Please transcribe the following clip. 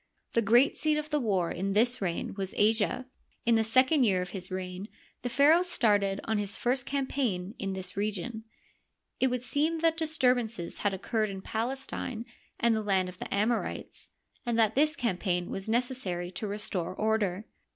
The great seat of the war in this reign was Asia. In the second year of his reign the pharaoh started on his first campaign in this region. It would seem that disturbances had occurred in Palestine and the land of the Amorites, and that this campaign was necessary to restore order.